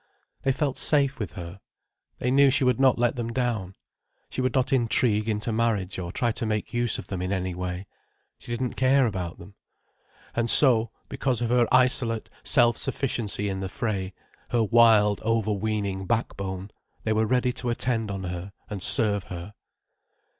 They felt safe with her. They knew she would not let them down. She would not intrigue into marriage, or try and make use of them in any way. She didn't care about them. And so, because of her isolate self sufficiency in the fray, her wild, overweening backbone, they were ready to attend on her and serve her.